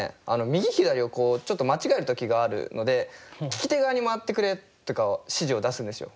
右左をちょっと間違える時があるので「利き手側に回ってくれ」とか指示を出すんですよ。